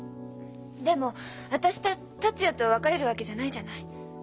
でも私や達也と別れるわけじゃないじゃない。